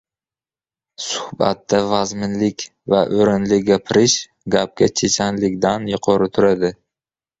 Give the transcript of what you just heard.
Suhbatda vazminlik va o‘rinli gapirish gapga chechanlikdan yuqori turadi.